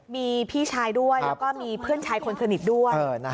มีพี่ชายด้วยแล้วก็มีเพื่อนชายคนสนิทด้วย